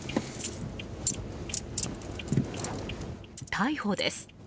逮捕です。